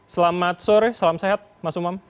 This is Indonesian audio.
selamat sore salam sehat mas umam